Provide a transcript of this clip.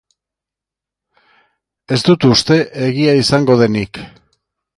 Ez dut uste egia izango denik.